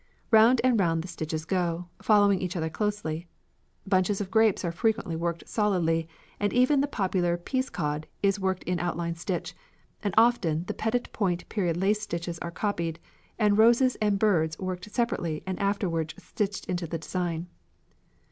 Round and round the stitches go, following each other closely. Bunches of grapes are frequently worked solidly, and even the popular peascod is worked in outline stitch, and often the petit point period lace stitches are copied, and roses and birds worked separately and afterward stitched to the design."